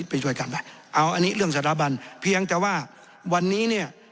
อันนี้เรื่องสถาบันเพียงแต่ว่าวันนี้